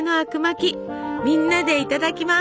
みんなでいただきます！